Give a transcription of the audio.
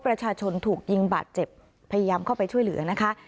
ประชาชนถูกยิงบาดเจ็บพยายามเข้าไปช่วยเหลือนะคะ